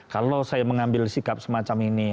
kalau saya mengambil sikap semacam ini